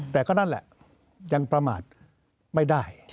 แต่ก็นั่นแหละยังประมาทไม่ได้